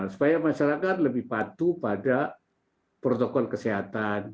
supaya masyarakat lebih patuh pada protokol kesehatan